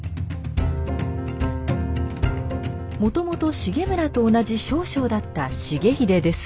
もともと重村と同じ少将だった重豪ですが。